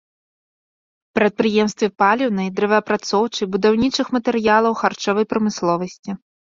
Прадпрыемствы паліўнай, дрэваапрацоўчай, будаўнічых матэрыялаў, харчовай прамысловасці.